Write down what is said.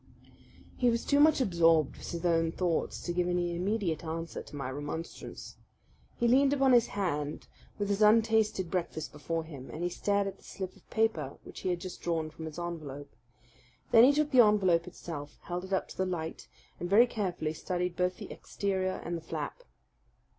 He was too much absorbed with his own thoughts to give any immediate answer to my remonstrance. He leaned upon his hand, with his untasted breakfast before him, and he stared at the slip of paper which he had just drawn from its envelope. Then he took the envelope itself, held it up to the light, and very carefully studied both the exterior and the flap.